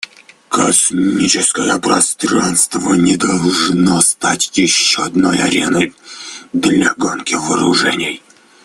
Космическое пространство не должно стать еще одной ареной для гонки вооружений.